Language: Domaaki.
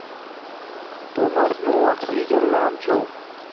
تومس موں آکسجن لام چھوم